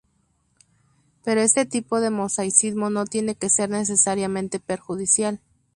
Pero este tipo de mosaicismo no tiene que ser necesariamente perjudicial.